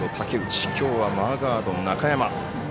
きょうはマーガード、中山。